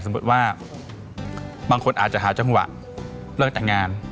สมมุติว่าบางคนอาจจะหาจังหวะเรื่องต่างงาน